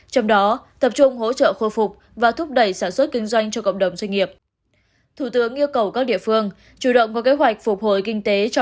trong đó tập trung hỗ trợ khôi phục và thúc đẩy sản xuất kinh doanh cho cộng đồng doanh nghiệp